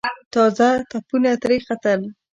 تازه تپونه ترې ختل.